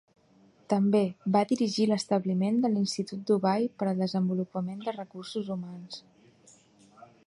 També va dirigir l'establiment de l'Institut Dubai per al Desenvolupament de Recursos Humans.